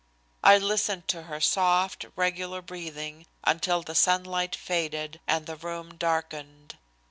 I listened to her soft, regular breathing until the sunlight faded and the room darkened.